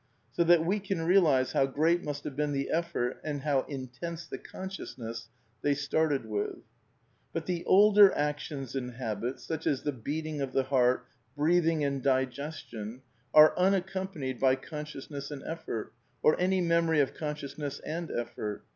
So that we can realize how great must have been the effort and how in tense the consciousness they started with. But the older actions and habits, such as the beating of the heart, breathing and digestion, are unaccompanied by consciousness and effort, or any memory of consciousness and effort.